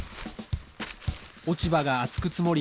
落ち葉が厚く積もり